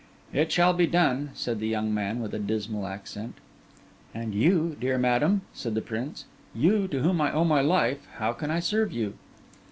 'It shall be done,' said the young man, with a dismal accent. 'And you, dear madam,' said the prince, 'you, to whom I owe my life, how can I serve you?